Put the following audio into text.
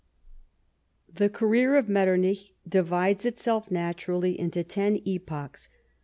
The career of Metternich divides itself naturally into ten epochs.